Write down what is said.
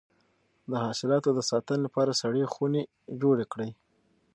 د حاصلاتو د ساتنې لپاره سړې خونې جوړې کړئ.